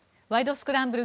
スクランブル」